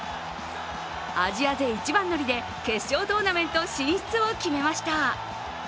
アジア勢一番乗りで決勝トーナメント進出を決めました。